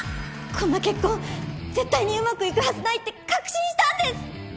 こんな結婚絶対にうまくいくはずないって確信したんです！